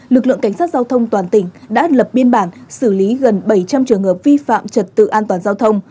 lực lượng cảnh sát giao thông toàn tỉnh đã lập biên bản xử lý gần bảy trăm linh trường hợp vi phạm trật tự an toàn giao thông